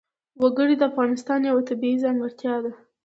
وګړي د افغانستان یوه طبیعي ځانګړتیا ده.